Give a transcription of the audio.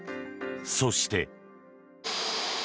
そして。